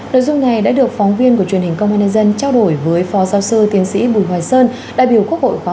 nội dung này đã được phóng viên của truyền hình công an nhân dân trao đổi với phó giáo sư tiến sĩ bùi hoài sơn đại biểu quốc hội khóa một mươi